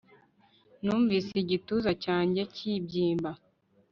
Numvise igituza cyanjye kibyimba